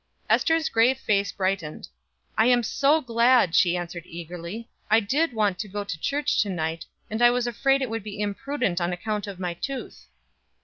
Ester's grave face brightened. "I'm so glad," she answered eagerly. "I did want to go to church to night, and I was afraid it would be imprudent on account of my tooth."